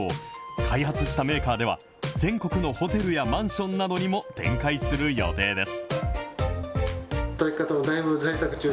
開発したメーカーでは、全国のホテルやマンションなどにも展開する予定です。